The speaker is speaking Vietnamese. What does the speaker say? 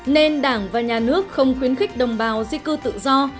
nên đảng và nhà nước không khuyến khích đồng bào di cư tự do